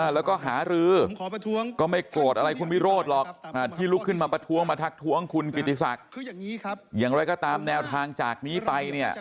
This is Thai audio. แล้วก็หารือก็ไม่โกรธอะไรคุณวิโรธหรอกที่ลุกขึ้นมาประท้วงมาทักท้วงคุณกิติศักดิ์อย่างไรก็ตามแนวทางจากนี้ไปเนี่ย